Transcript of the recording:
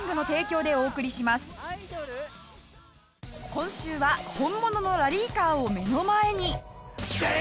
今週は本物のラリーカーを目の前に